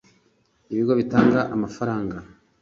ibigo bitanga amafaranga